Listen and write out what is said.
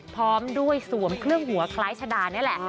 พร้อมด้วยสวมเครื่องหัวคล้ายชะดานี่แหละ